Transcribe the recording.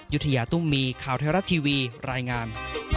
ยุธยาตุ้มมีข่าวไทยรัฐทีวีรายงาน